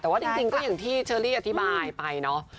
แต่ว่าจริงก็อย่างที่เชอรี่อธิบายไปเนาะ